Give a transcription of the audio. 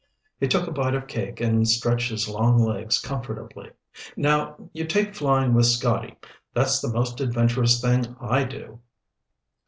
He took a bite of cake and stretched his long legs comfortably. "Now, you take flying with Scotty. That's the most adventurous thing I do."